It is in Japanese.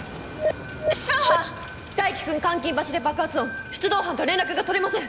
大樹君監禁場所で爆発音出動班と連絡が取れません！